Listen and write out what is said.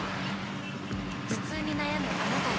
頭痛に悩むあなたへ。